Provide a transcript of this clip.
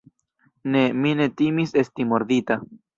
Ne, mi ne timis esti mordita.